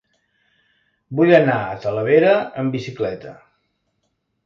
Vull anar a Talavera amb bicicleta.